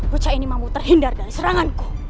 bocah ini mampu terhindar dari seranganku